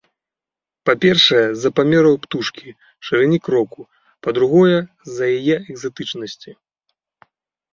Па-першае, з-за памераў птушкі, шырыні кроку, па-другое, з-за яе экзатычнасці.